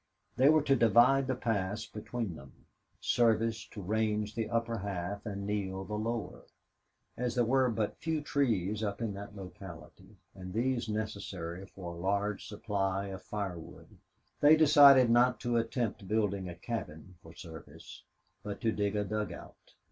They were to divide the pass between them, Service to range the upper half and Neale the lower. As there were but few trees up in that locality, and these necessary for a large supply of fire wood, they decided not to attempt building a cabin for Service, but to dig a dugout.